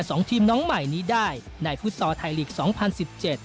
สองทีมน้องใหม่นี้ได้ในฟุตซอลไทยลีกสองพันสิบเจ็ด